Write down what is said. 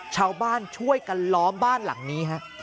ชาวบ้านช่วยกันล้อมบ้านหลังนี้ฮะ